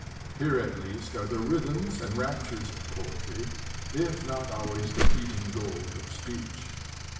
Here at least are the rhythms and raptures of poetry, if not always the beaten gold of speech.